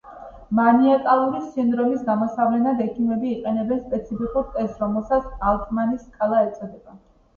მანიაკალური სინდრომის გამოსავლენად, ექიმები იყენებენ სპეციფიკურ ტესტს, რომელსაც ალტმანის სკალა ეწოდება.